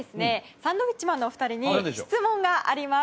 サンドウィッチマンのお二人に質問があります。